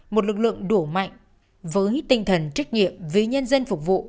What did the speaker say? một lực lượng đủ mạnh với tinh thần trách nhiệm vì nhân dân phục vụ